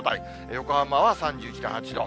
横浜は３１．８度。